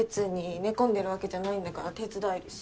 寝込んでるわけじゃないんだから手伝えるし。